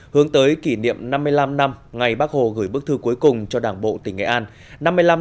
hướng tới kỷ niệm năm mươi năm năm ngày bác hồ gửi bức thư cuối cùng cho đảng bộ tỉnh nghệ an